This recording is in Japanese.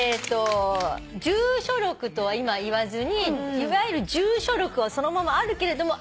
住所録とは今言わずにいわゆる住所録はそのままあるけれどもアドレス帳と。